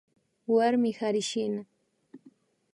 Warmi karishina